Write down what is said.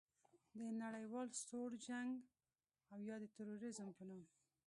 د نړیوال سوړ جنګ او یا د تروریزم په نوم